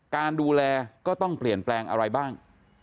การดูแลก็ต้องเปลี่ยนแปลงอะไรบ้าง